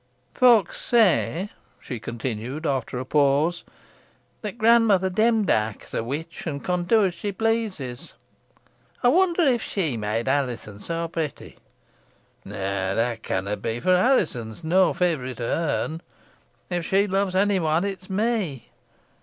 "Folks say," she continued, after a pause, "that grandmother Demdike is a witch, an con do os she pleases. Ey wonder if she made Alizon so protty. Nah, that canna be, fo' Alizon's na favourite o' hern. If she loves onny one it's me.